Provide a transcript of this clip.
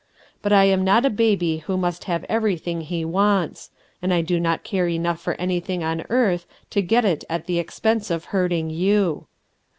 But I am not a baby who must have everything he wants; and I do not care enough for anything on earth to get it at the expense of hurting you.